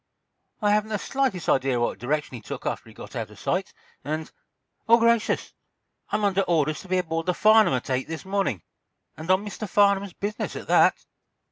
"I haven't the slightest idea what direction he took after he got out of sight, and—oh, gracious! I'm under orders to be aboard the 'Farnum' at eight this morning. And on Mr. Farnum's business, at that!"